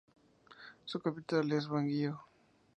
Su capital es Baguio.